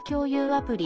アプリ